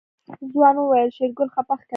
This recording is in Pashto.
ځوان وويل شېرګل خپه ښکاري.